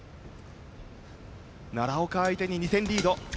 奈良岡相手に２点リード。